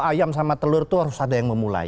ayam sama telur itu harus ada yang memulai